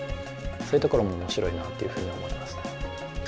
そういうところも面白いなというふうに思いますね。